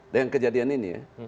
dengan kejadian ini ya